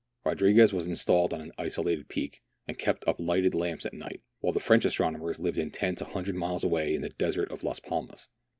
Rodriguez was installed on an isolated peak, and kept up lighted lamps at night, while the French astronomers lived in tents a hundred miles away in the desert of Las Palmas.